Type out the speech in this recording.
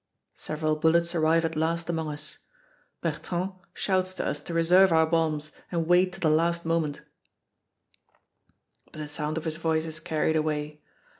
Several bullets arrive at last among us. Bertrand shouts to us to reserve our bombs and wait till the last moment. But the sound of his voice is carried away.